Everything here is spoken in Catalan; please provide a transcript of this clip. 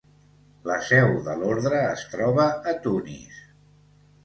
La seu de l'Ordre es troba a Tunis.